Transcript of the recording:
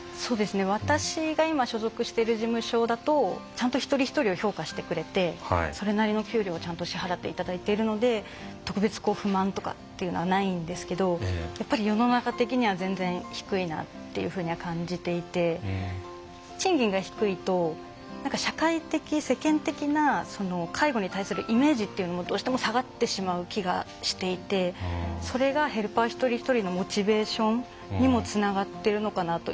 私が今所属している事務所だとちゃんと一人一人を評価してくれてそれなりの給料をちゃんと支払ってくれているので特別、不満とかっていうのはないんですけどやっぱり世の中的には全然、低いなって感じていて、賃金が低いと社会的、世間的な介護に対するイメージっていうのがどうしても下がってしまう気がしていてそれがヘルパー一人一人のモチベーションにもつながっているのかなと。